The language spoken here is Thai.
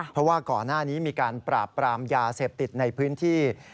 เพราะว่าก่อนหน้านี้มีการปราบปรามยาเสพติดในพื้นที่